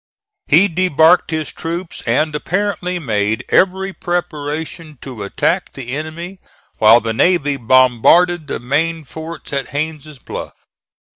He debarked his troops and apparently made every preparation to attack the enemy while the navy bombarded the main forts at Haines' Bluff.